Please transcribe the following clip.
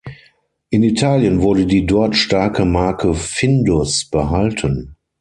In Italien wurde die dort starke Marke „Findus“ behalten.